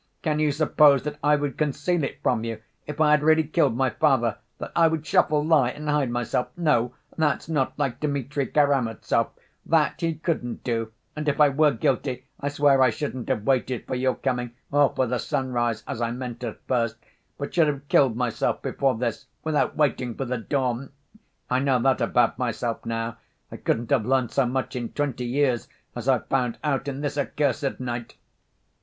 Can you suppose that I would conceal it from you, if I had really killed my father, that I would shuffle, lie, and hide myself? No, that's not like Dmitri Karamazov, that he couldn't do, and if I were guilty, I swear I shouldn't have waited for your coming, or for the sunrise as I meant at first, but should have killed myself before this, without waiting for the dawn! I know that about myself now. I couldn't have learnt so much in twenty years as I've found out in this accursed night!...